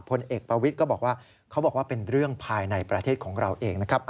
พลเอกประวิทย์ก็บอกว่าเขาบอกว่าเป็นเรื่องภายในประเทศของเราเองนะครับ